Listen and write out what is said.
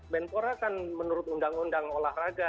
menpora kan menurut undang undang olahraga